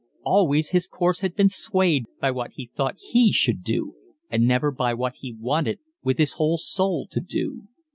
Always his course had been swayed by what he thought he should do and never by what he wanted with his whole soul to do.